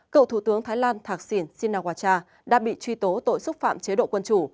cậu thủ tướng thái lan thạc sỉn sinawacha đã bị truy tố tội xúc phạm chế độ quân chủ